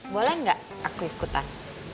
boleh enggak aku ikutan